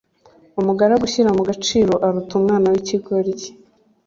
umugaragu ushyira mu gaciro aruta umwana w'ikigoryi